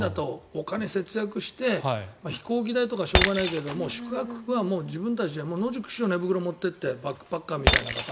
お金を節約して飛行機代とかはしょうがないけども宿泊は自分たちで野宿しよう寝袋持って行ってバックパッカーみたいな方